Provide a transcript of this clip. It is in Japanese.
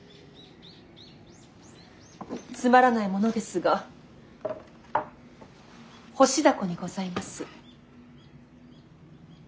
つまらないものですが干しダコにございます。